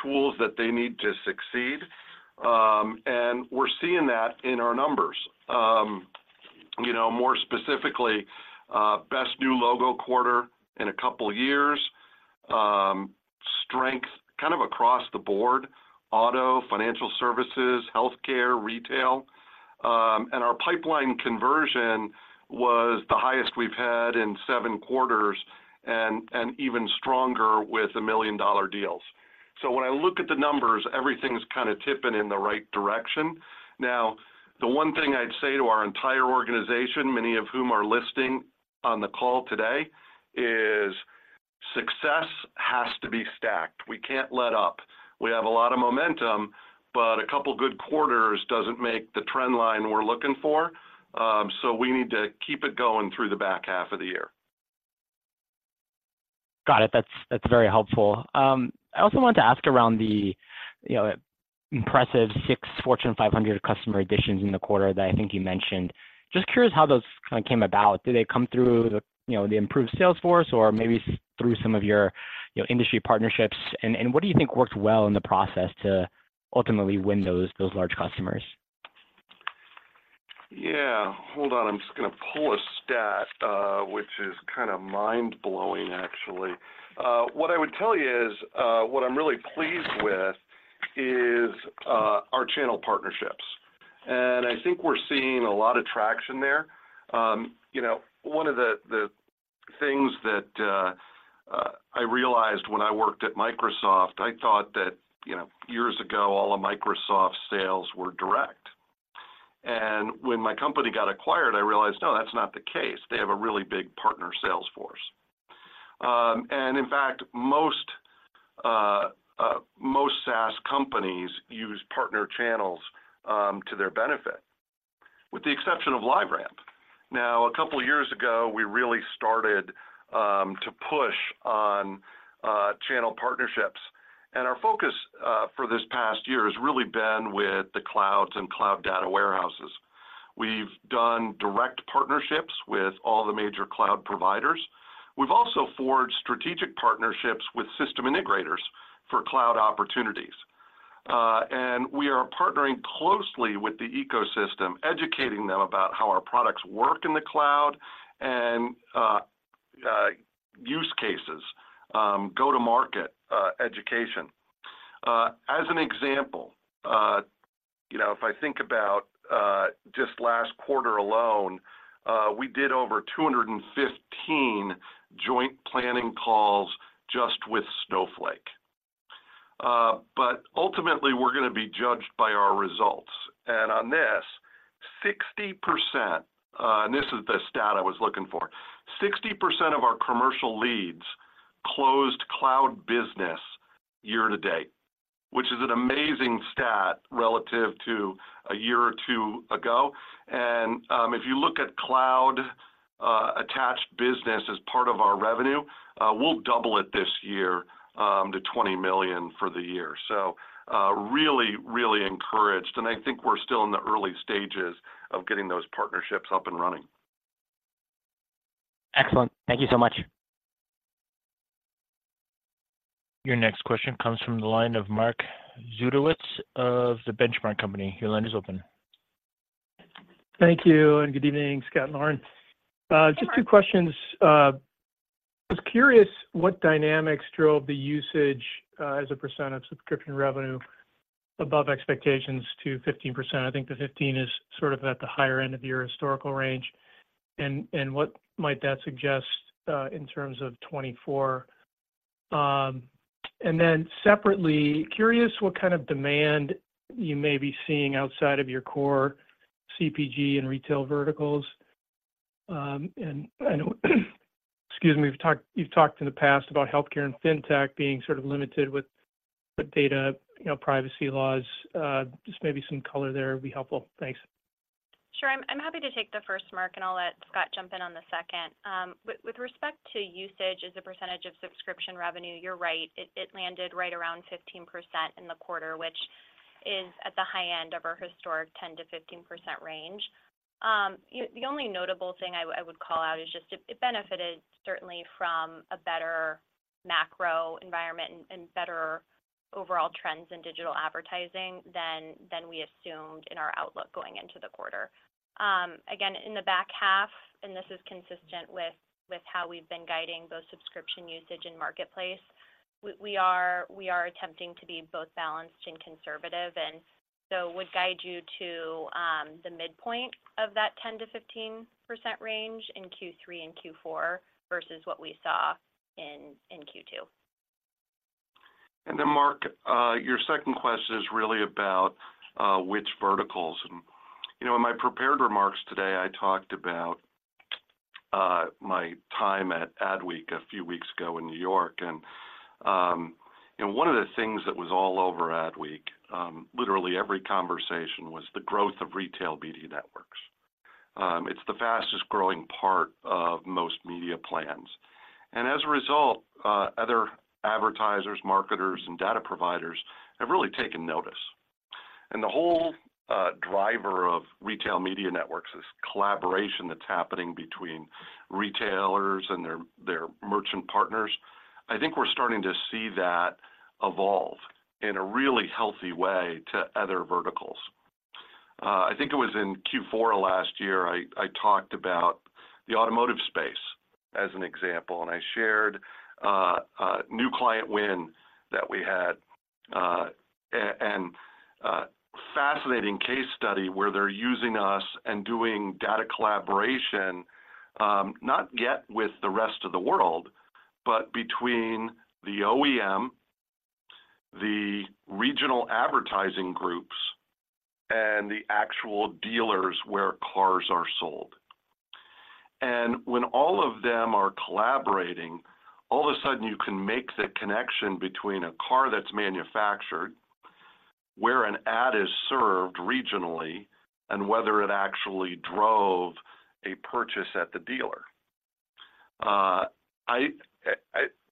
tools that they need to succeed, and we're seeing that in our numbers. You know, more specifically, best new logo quarter in a couple years, strength kind of across the board: auto, financial services, healthcare, retail. Our pipeline conversion was the highest we've had in seven quarters and even stronger with a million-dollar deals. So when I look at the numbers, everything's kind of tipping in the right direction. Now, the one thing I'd say to our entire organization, many of whom are listening on the call today, is success has to be stacked. We can't let up. We have a lot of momentum, but a couple good quarters doesn't make the trend line we're looking for, so we need to keep it going through the back half of the year. Got it. That's, that's very helpful. I also wanted to ask around the, you know, impressive 6 Fortune 500 customer additions in the quarter that I think you mentioned. Just curious how those kind of came about. Did they come through the, you know, the improved sales force or maybe through some of your, your industry partnerships? And, and what do you think worked well in the process to ultimately win those, those large customers? Yeah, hold on. I'm just gonna pull a stat, which is kind of mind-blowing, actually. What I would tell you is, what I'm really pleased with is, our channel partnerships, and I think we're seeing a lot of traction there. You know, one of the things that I realized when I worked at Microsoft, I thought that, you know, years ago, all of Microsoft's sales were direct. And when my company got acquired, I realized, "No, that's not the case." They have a really big partner sales force. And in fact, most SaaS companies use partner channels, to their benefit, with the exception of LiveRamp. Now, a couple of years ago, we really started to push on channel partnerships, and our focus for this past year has really been with the clouds and cloud data warehouses. We've done direct partnerships with all the major cloud providers. We've also forged strategic partnerships with system integrators for cloud opportunities. And we are partnering closely with the ecosystem, educating them about how our products work in the cloud and use cases, go-to-market, education. As an example, you know, if I think about just last quarter alone, we did over 215 joint planning calls just with Snowflake. Ultimately, we're gonna be judged by our results, and on this, 60%, and this is the stat I was looking for, 60% of our commercial leads closed cloud business year to date, which is an amazing stat relative to a year or two ago. If you look at cloud, attached business as part of our revenue, we'll double it this year, to $20 million for the year. Really, really encouraged, and I think we're still in the early stages of getting those partnerships up and running. Excellent. Thank you so much. Your next question comes from the line of Mark Zgutowicz of The Benchmark Company. Your line is open. Thank you, and good evening, Scott and Lauren. Just two questions. I was curious what dynamics drove the usage as a percent of subscription revenue above expectations to 15%. I think the 15 is sort of at the higher end of your historical range, and what might that suggest in terms of 2024? And then separately, curious what kind of demand you may be seeing outside of your core CPG and retail verticals. And I know, excuse me, you've talked, you've talked in the past about healthcare and fintech being sort of limited with data, you know, privacy laws. Just maybe some color there would be helpful. Thanks. Sure. I'm happy to take the first, Mark, and I'll let Scott jump in on the second. With respect to usage as a percentage of subscription revenue, you're right. It landed right around 15% in the quarter, which is at the high end of our historic 10%-15% range. The only notable thing I would call out is just it benefited certainly from a better macro environment and better overall trends in digital advertising than we assumed in our outlook going into the quarter. Again, in the back half, and this is consistent with how we've been guiding both subscription usage and marketplace, we are attempting to be both balanced and conservative, and so would guide you to the midpoint of that 10%-15% range in Q3 and Q4 versus what we saw in Q2. And then, Mark, your second question is really about which verticals. And, you know, in my prepared remarks today, I talked about my time at Adweek a few weeks ago in New York, and, you know, one of the things that was all over Adweek, literally every conversation was the growth of retail media networks.... It's the fastest-growing part of most media plans. And as a result, other advertisers, marketers, and data providers have really taken notice. And the whole driver of retail media networks, this collaboration that's happening between retailers and their merchant partners, I think we're starting to see that evolve in a really healthy way to other verticals. I think it was in Q4 of last year, I talked about the automotive space as an example, and I shared a new client win that we had and fascinating case study where they're using us and doing data collaboration, not yet with the rest of the world, but between the OEM, the regional advertising groups, and the actual dealers where cars are sold. And when all of them are collaborating, all of a sudden you can make the connection between a car that's manufactured, where an ad is served regionally, and whether it actually drove a purchase at the dealer.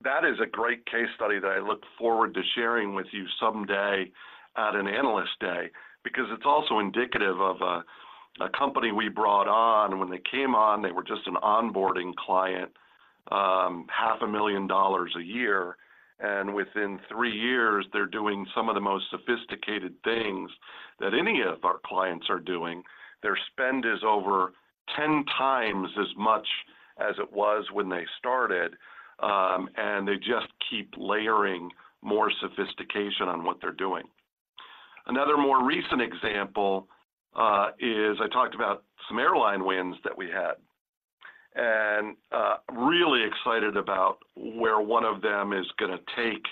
That is a great case study that I look forward to sharing with you someday at an analyst day, because it's also indicative of a company we brought on, and when they came on, they were just an onboarding client, $500,000 a year, and within 3 years, they're doing some of the most sophisticated things that any of our clients are doing. Their spend is over 10x as much as it was when they started, and they just keep layering more sophistication on what they're doing. Another more recent example is, I talked about some airline wins that we had, and really excited about where one of them is gonna take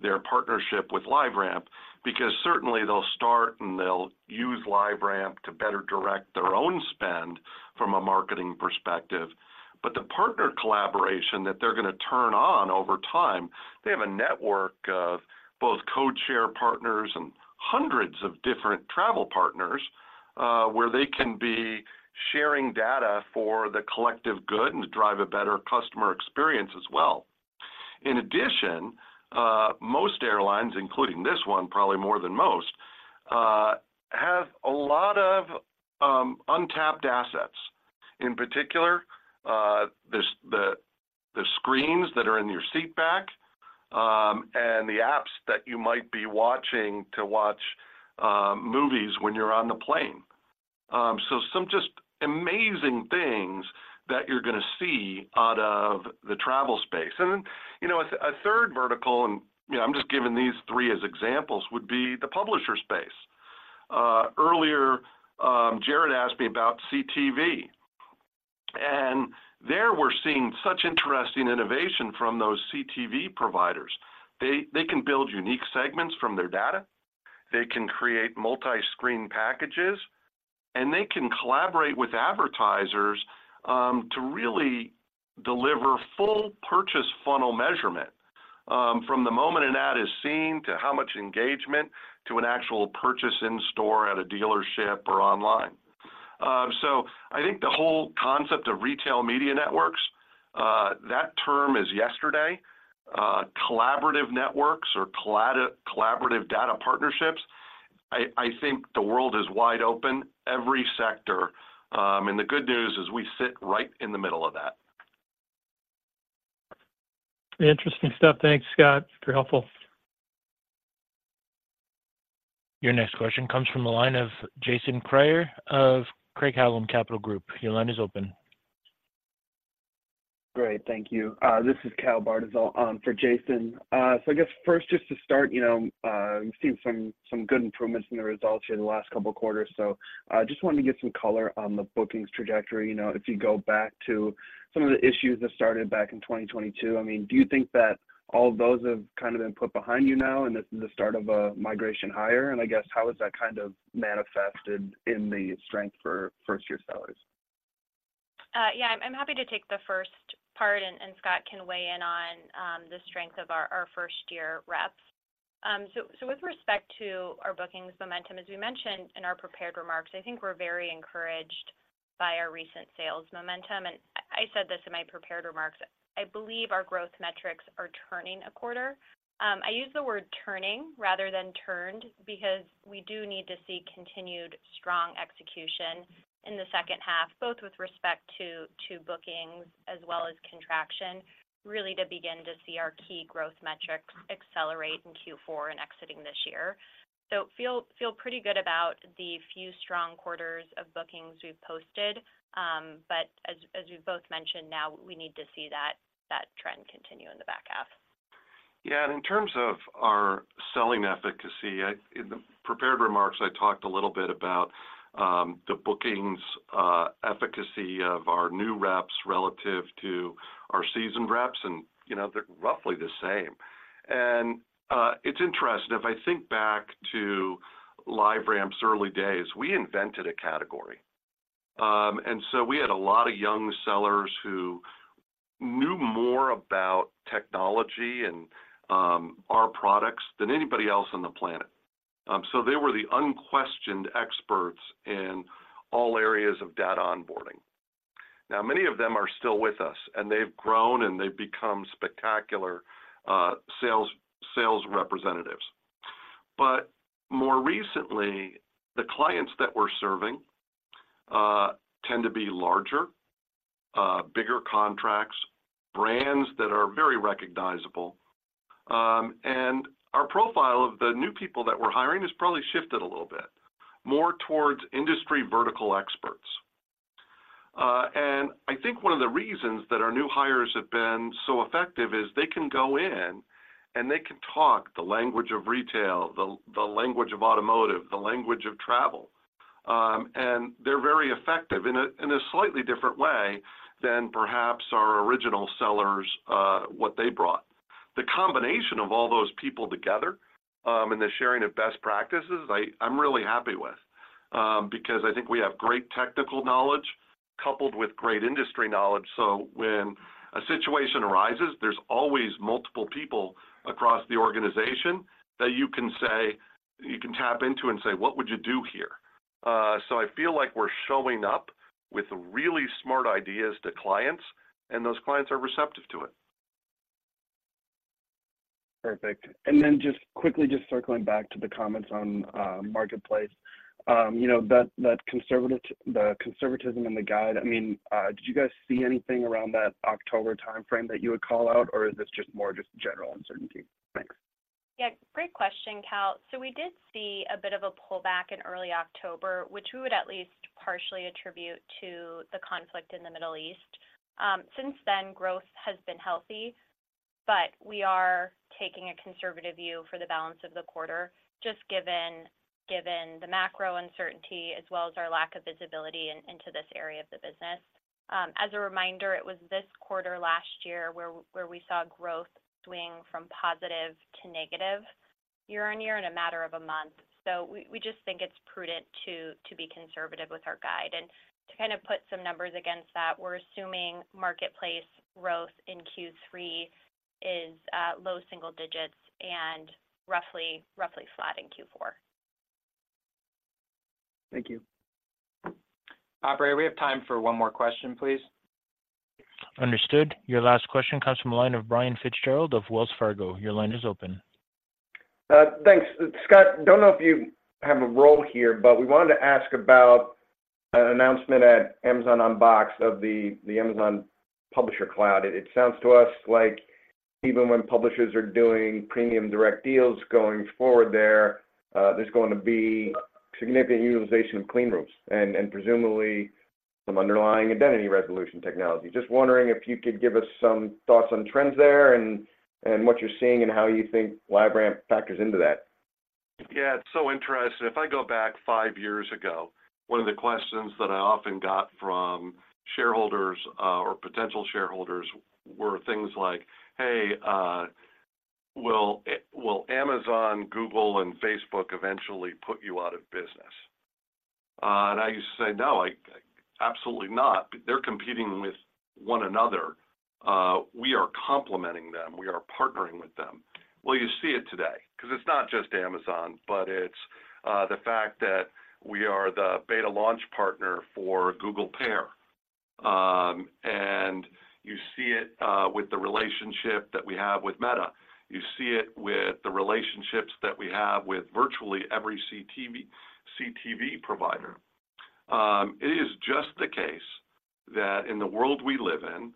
their partnership with LiveRamp, because certainly they'll start and they'll use LiveRamp to better direct their own spend from a marketing perspective. But the partner collaboration that they're gonna turn on over time, they have a network of both codeshare partners and hundreds of different travel partners, where they can be sharing data for the collective good and to drive a better customer experience as well. In addition, most airlines, including this one, probably more than most, have a lot of untapped assets. In particular, the screens that are in your seat back, and the apps that you might be watching to watch movies when you're on the plane. So some just amazing things that you're gonna see out of the travel space. And, you know, a third vertical, and, you know, I'm just giving these three as examples, would be the publisher space. Earlier, Jared asked me about CTV, and there we're seeing such interesting innovation from those CTV providers. They can build unique segments from their data, they can create multi-screen packages, and they can collaborate with advertisers to really deliver full purchase funnel measurement from the moment an ad is seen, to how much engagement, to an actual purchase in store, at a dealership or online. So I think the whole concept of retail media networks, that term is yesterday. Collaborative networks or collaborative data partnerships, I think the world is wide open, every sector, and the good news is we sit right in the middle of that. Interesting stuff. Thanks, Scott. Very helpful. Your next question comes from the line of Jason Kreyer of Craig-Hallum Capital Group. Your line is open. Great, thank you. This is Cal Bartyzal for Jason. So I guess first, just to start, you know, we've seen some good improvements in the results here in the last couple of quarters, so just wanted to get some color on the bookings trajectory. You know, if you go back to some of the issues that started back in 2022, I mean, do you think that all of those have kind of been put behind you now, and this is the start of a migration higher? And I guess, how has that kind of manifested in the strength for first-year sellers? Yeah, I'm happy to take the first part, and Scott can weigh in on the strength of our first-year reps. So with respect to our bookings momentum, as we mentioned in our prepared remarks, I think we're very encouraged by our recent sales momentum, and I said this in my prepared remarks, I believe our growth metrics are turning a quarter. I use the word turning rather than turned because we do need to see continued strong execution in the second half, both with respect to bookings as well as contraction, really to begin to see our key growth metrics accelerate in Q4 and exiting this year. So feel pretty good about the few strong quarters of bookings we've posted, but as we've both mentioned, now we need to see that trend continue in the back half. Yeah, and in terms of our selling efficacy, in the prepared remarks, I talked a little bit about the bookings efficacy of our new reps relative to our seasoned reps, and, you know, they're roughly the same. It's interesting, if I think back to LiveRamp's early days, we invented a category. So we had a lot of young sellers who knew more about technology and our products than anybody else on the planet. So they were the unquestioned experts in all areas of data onboarding. Now, many of them are still with us, and they've grown, and they've become spectacular sales representatives. But more recently, the clients that we're serving tend to be larger, bigger contracts, brands that are very recognizable. And our profile of the new people that we're hiring has probably shifted a little bit more towards industry vertical experts. And I think one of the reasons that our new hires have been so effective is they can go in and they can talk the language of retail, the language of automotive, the language of travel. And they're very effective in a slightly different way than perhaps our original sellers what they brought. The combination of all those people together and the sharing of best practices, I'm really happy with, because I think we have great technical knowledge coupled with great industry knowledge. When a situation arises, there's always multiple people across the organization that you can tap into and say, "What would you do here?" I feel like we're showing up with really smart ideas to clients, and those clients are receptive to it. Perfect. And then just quickly, just circling back to the comments on Marketplace, you know, that conservative, the conservatism and the guide, I mean, did you guys see anything around that October time frame that you would call out, or is this just more just general uncertainty? Thanks. Yeah, great question, Cal. So we did see a bit of a pullback in early October, which we would at least partially attribute to the conflict in the Middle East. Since then, growth has been healthy, but we are taking a conservative view for the balance of the quarter, just given the macro uncertainty as well as our lack of visibility into this area of the business. As a reminder, it was this quarter last year where we saw growth swing from positive to negative year-on-year in a matter of a month. So we just think it's prudent to be conservative with our guide. And to kind of put some numbers against that, we're assuming Marketplace growth in Q3 is low single digits and roughly flat in Q4. Thank you. Operator, we have time for one more question, please. Understood. Your last question comes from the line of Brian Fitzgerald of Wells Fargo. Your line is open. Thanks. Scott, don't know if you have a role here, but we wanted to ask about an announcement at Amazon Unboxed of the Amazon Publisher Cloud. It sounds to us like even when publishers are doing premium direct deals going forward there, there's going to be significant utilization of clean rooms and, and presumably some underlying identity resolution technology. Just wondering if you could give us some thoughts on trends there and, and what you're seeing and how you think LiveRamp factors into that. Yeah, it's so interesting. If I go back five years ago, one of the questions that I often got from shareholders, or potential shareholders were things like, "Hey, will Amazon, Google, and Facebook eventually put you out of business?" And I used to say, "No, absolutely not. They're competing with one another. We are complementing them. We are partnering with them." Well, you see it today because it's not just Amazon, but it's the fact that we are the beta launch partner for Google PAIR. And you see it with the relationship that we have with Meta. You see it with the relationships that we have with virtually every CTV provider. It is just the case that in the world we live in,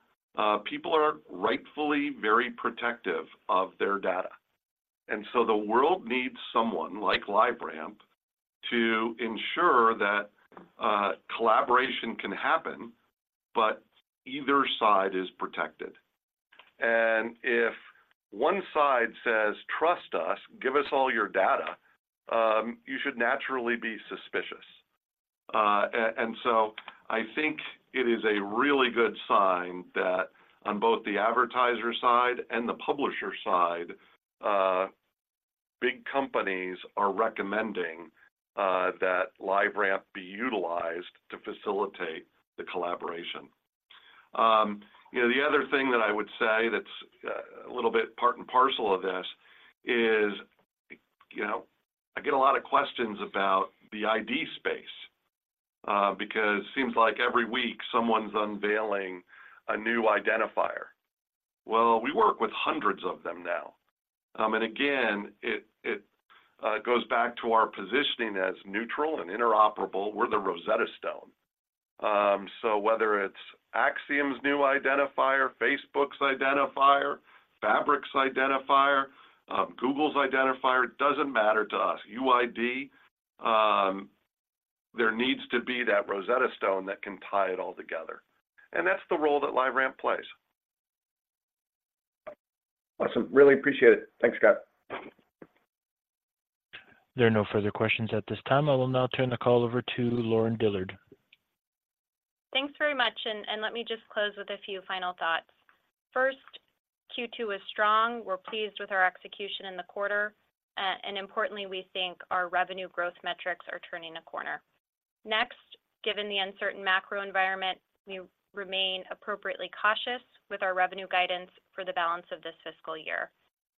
people are rightfully very protective of their data. And so the world needs someone like LiveRamp to ensure that, collaboration can happen, but either side is protected. And if one side says, "Trust us, give us all your data," you should naturally be suspicious. And so I think it is a really good sign that on both the advertiser side and the publisher side, big companies are recommending, that LiveRamp be utilized to facilitate the collaboration. You know, the other thing that I would say that's, a little bit part and parcel of this is, you know, I get a lot of questions about the ID space, because it seems like every week someone's unveiling a new identifier. Well, we work with hundreds of them now. And again, it goes back to our positioning as neutral and interoperable. We're the Rosetta Stone. So whether it's Acxiom's new identifier, Facebook's identifier, Fabrick's identifier, Google's identifier, it doesn't matter to us. UID, there needs to be that Rosetta Stone that can tie it all together, and that's the role that LiveRamp plays. Awesome. Really appreciate it. Thanks, Scott. There are no further questions at this time. I will now turn the call over to Lauren Dillard. Thanks very much, and, and let me just close with a few final thoughts. First, Q2 was strong. We're pleased with our execution in the quarter, and importantly, we think our revenue growth metrics are turning a corner. Next, given the uncertain macro environment, we remain appropriately cautious with our revenue guidance for the balance of this fiscal year.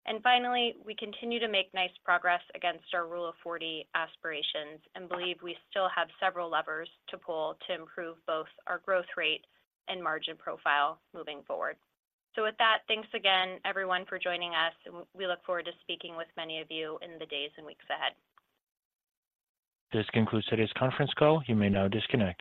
And finally, we continue to make nice progress against our Rule of 40 aspirations and believe we still have several levers to pull to improve both our growth rate and margin profile moving forward. So with that, thanks again, everyone, for joining us, and we look forward to speaking with many of you in the days and weeks ahead. This concludes today's conference call. You may now disconnect.